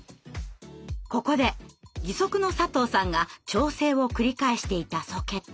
ここで義足の佐藤さんが調整を繰り返していたソケット。